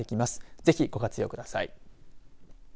ぜひご活用ください。